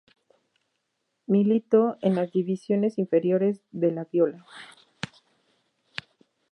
Militó en las divisiones inferiores de "la Viola".